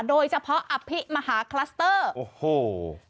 เฉพาะอภิมหาคลัสเตอร์โอ้โห